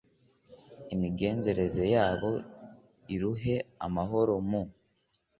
imigenzereze yabo, iruhe amahoro mu